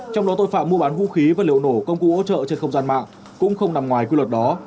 trong đó tội phạm mua bán vũ khí và liệu nổ công cụ hỗ trợ trên không gian mạng cũng không nằm ngoài quy luật đó